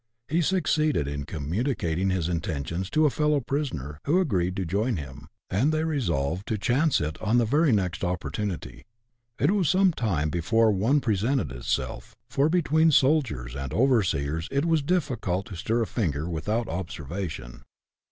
He succeeded in communicating his intentions to a fellow prisoner, who agreed to join him, and they resolved to "chance it" on the very next opportunity. It was some time before one presented itself, for between soldiers and overseers it was difficult to stir a finger without observation.